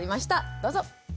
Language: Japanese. どうぞ！